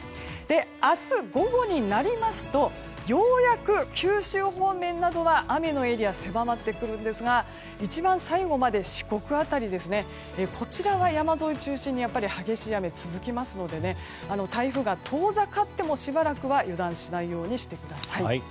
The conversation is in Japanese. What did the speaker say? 明日、午後になりますとようやく九州方面などは雨のエリア狭まってくるんですが一番最後まで四国辺り、こちらは山沿い中心に激しい雨が続きますので台風が遠ざかってもしばらくは油断しないようにしてください。